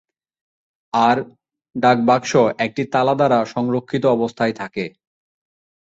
আর ডাকবাক্স একটি তালা দ্বারা সংরক্ষিত অবস্থায় থাকে।